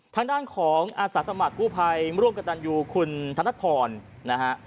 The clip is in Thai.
ทางด้านของอาศัตริย์สมัครกู้ภัยร่วมกับตัญญูคุณธนทัศน์พรนะฮะ